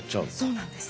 そうなんです。